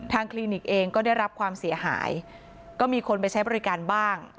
คลินิกเองก็ได้รับความเสียหายก็มีคนไปใช้บริการบ้าง